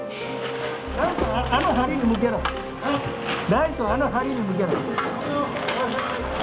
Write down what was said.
ライトをあの梁に向けろ。